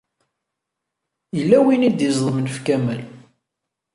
Yella win i d-iẓeḍmen ɣef Kamal.